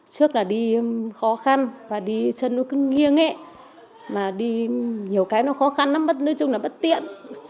trước là đi khó khăn và đi chân nó cứ nghiêng ấy mà đi nhiều cái nó khó khăn lắm nói chung là bất tiện